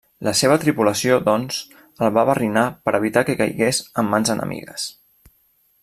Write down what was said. La seva tripulació, doncs, el va barrinar per evitar que caigués en mans enemigues.